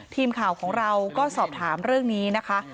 ทีมข่าวของเราก็สอบถามเรื่องนี้นะคะ